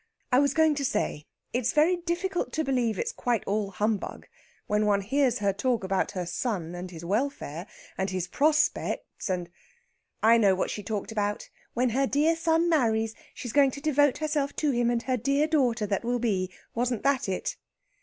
I was going to say. It's very difficult to believe it's quite all humbug when one hears her talk about her son and his welfare, and his prospects and...." "I know what she talked about. When her dear son marries, she's going to devote herself to him and her dear daughter that will be. Wasn't that it?"